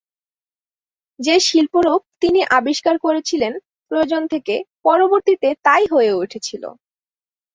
যে শিল্পরূপ তিনি আবিষ্কার করেছিলেন প্রয়োজন থেকে, পরবর্তীতে তা-ই হয়ে উঠেছিল।